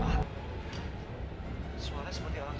hai soalnya seperti orang